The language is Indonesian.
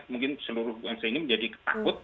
mungkin seluruh yang saya ingin menjadi ketakut